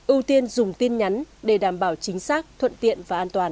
ưu tiên dùng tin nhắn để đảm bảo chính xác thuận tiện và an toàn